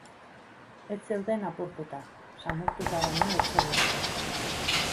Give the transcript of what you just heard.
Ez zeuden apurtuta, samurtuta baino ez zeuden.